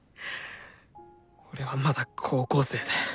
俺はまだ高校生で！